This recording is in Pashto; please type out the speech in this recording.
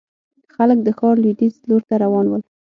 خلک د ښار لوېديځ لور ته روان ول.